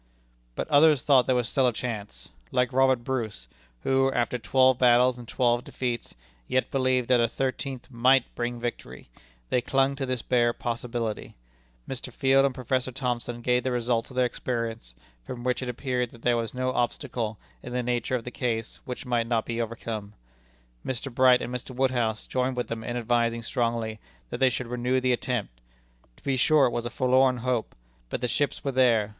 But others thought there was still a chance. Like Robert Bruce, who, after twelve battles and twelve defeats, yet believed that a thirteenth might bring victory, they clung to this bare possibility. Mr. Field and Professor Thomson gave the results of their experience, from which it appeared that there was no obstacle in the nature of the case which might not be overcome. Mr. Bright and Mr. Woodhouse joined with them in advising strongly that they should renew the attempt. To be sure, it was a forlorn hope. But the ships were there.